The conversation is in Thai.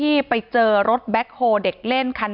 ที่มีข่าวเรื่องน้องหายตัว